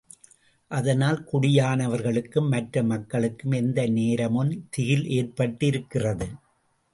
அதனால் குடியானவர்களுக்கும் மற்ற மக்களுக்கும் எந்த நேரமும் திகில் ஏற்பட்டிருக்கிறது.